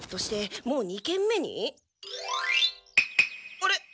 あれ？